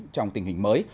trong tình hình mới